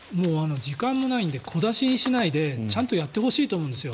時間もないので小出しにしないでちゃんとやってほしいと思うんですよ。